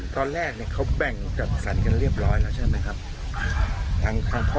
ตอนแรกเนี่ยเขาแบ่งกับสัตว์กันเรียบร้อยแล้วใช่ไหมครับ